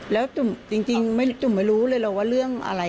แล้วจริงไม่รู้เลยหรอกว่าเรื่องอะไร